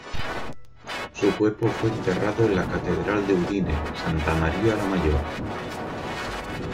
Su cuerpo fue enterrado en la catedral de Udine, Santa María la Mayor.